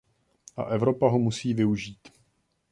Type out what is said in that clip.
A Evropa ho musí využít.